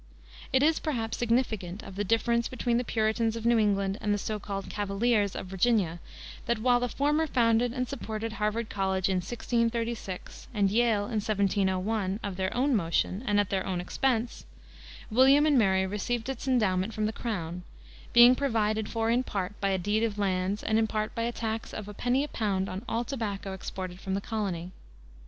It is perhaps significant of the difference between the Puritans of New England and the so called "Cavaliers" of Virginia, that while the former founded and supported Harvard College in 1636, and Yale in 1701, of their own motion, and at their own expense, William and Mary received its endowment from the crown, being provided for in part by a deed of lands and in part by a tax of a penny a pound on all tobacco exported from the colony.